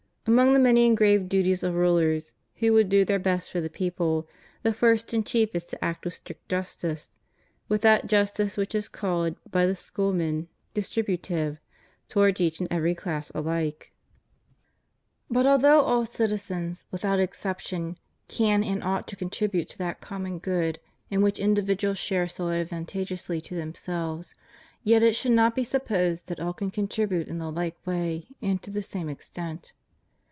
^ Among the many and grave duties of rulers who would do their best for the people, the first and chief is to act with strict justice — with that justice which is called by the schoolmen distrib utive— towards each and every class alike. » 2a 2ae Q. Ixi. Art. 1 ad 2. CONDITION OF THE WORKING CLASSES. 229 But although all citizens, without exception, can and ought to contribute to that common good in which indi viduals share so advantageously to themselves, yet it should not be supposed that all can contribute in the hke way and to the same extent.